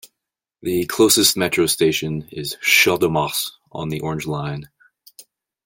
The closest Metro station is Champ-de-Mars, on the Orange Line.